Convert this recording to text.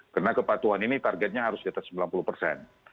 karena kepatuhan ini targetnya harus di atas sembilan puluh persen